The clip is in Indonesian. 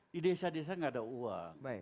di desa desa nggak ada uang